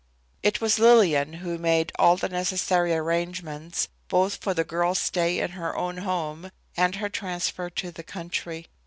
It was Lillian who made all the necessary arrangements both for the girl's stay in her own home and her transfer to the country.